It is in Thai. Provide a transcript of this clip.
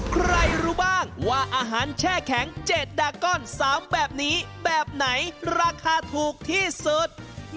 ใครรู้บ้างว่าอาหารแช่แข็ง๗ดาก้อน๓แบบนี้แบบไหนราคาถูกที่สุด